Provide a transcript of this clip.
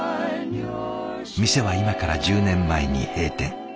店は今から１０年前に閉店。